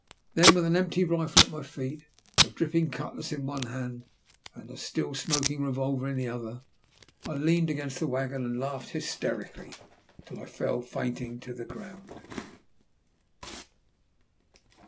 Then, with an empty rifle at my feet, a dripping cutlass in one hand, and a still smoking revolver in the other, I leant against the waggon and laughed hysterically till I fell fainting to the ground.